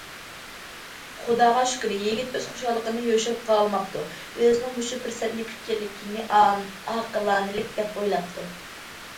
خۇداغا شۈكرى، يىگىت ئۆز خۇشاللىقىنى يوشۇرۇپ قالالماپتۇ، ئۆزىنىڭ مۇشۇ پۇرسەتنى كۈتكەنلىكىنى ئاقىلانىلىك دەپ ئويلاپتۇ.